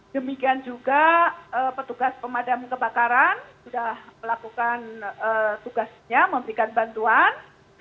demikian juga petugas pemadam kebakaran sudah melakukan tugasnya memberikan bantuan